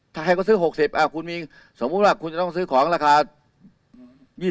ถ้าใครก็ซื้อ๖๐บาทเขาจะต้องซื้อของราคา๒๐บาท